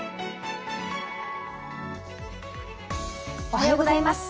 おはようございます。